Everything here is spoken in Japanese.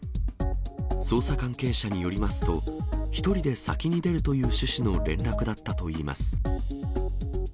捜査関係者によりますと、１人で先に出るという趣旨の連絡だったといいます。